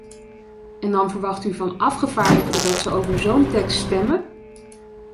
En dan verwacht u van afgevaardigden dat ze over zo'n tekst stemmen?